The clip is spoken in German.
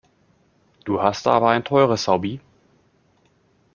Du hast da aber ein teures Hobby.